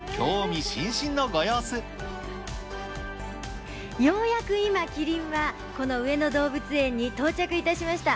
コザクラは新宿など、初めてようやく今、キリンはこの上野動物園に到着いたしました。